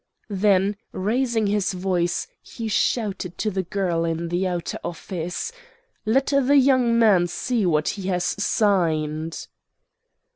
Then raising his voice he shouted to the girl in the outer office, 'Let the young man see what he has signed.